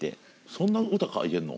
そんな歌書いてんの。